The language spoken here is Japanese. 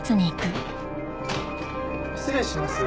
失礼します。